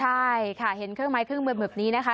ใช่ค่ะเห็นเครื่องไม้เครื่องมือแบบนี้นะคะ